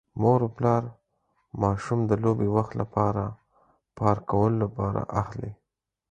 مور او پلار ماشوم د لوبې وخت لپاره پارک کولو لپاره اخلي.